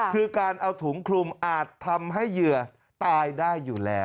คือการเอาถุงคลุมอาจทำให้เหยื่อตายได้อยู่แล้ว